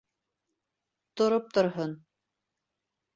Тороп торһон.